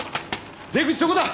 出口どこだ！